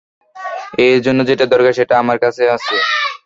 এর জন্য যেটা দরকার সেটা আমার কাছে আছে।